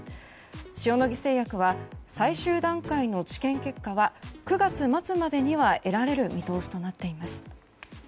塩野義製薬は最終段階の治験結果は９月末までには得られる見通しとなっています。